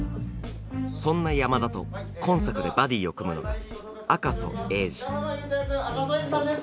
そんな山田と今作でバディを組むのが赤楚衛二赤楚衛二さんです